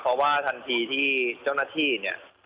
เพราะว่าทันทีที่เจ้าหน้าที่เนี่ย